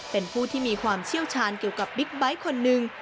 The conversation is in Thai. เป็นผู้ที่มีความเชี่ยวชาญเกี่ยวกับบิ๊กไบท์คนหนึ่ง